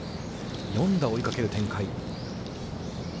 ４打追いかける展開。